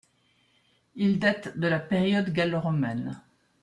Il date de la période gallo-romaine.